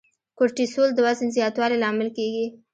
کورټیسول د وزن زیاتوالي لامل کېږي.